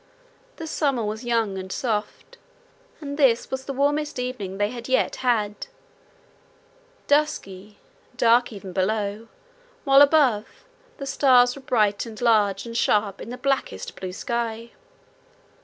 The summer was young and soft, and this was the warmest evening they had yet had dusky, dark even below, while above, the stars were bright and large and sharp in the blackest blue sky.